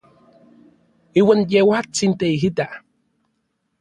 Iuan yejuatsin teijita.